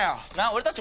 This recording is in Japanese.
俺たち